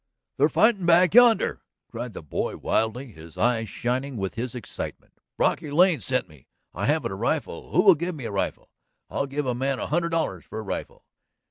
"They're fighting back yonder!" cried the boy wildly, his eyes shining with his excitement. "Brocky Lane sent me. ... I haven't a rifle, who will give me a rifle? I'll give a man a hundred dollars for a rifle!"